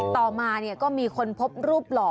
ต่อมาก็มีคนพบรูปหล่อ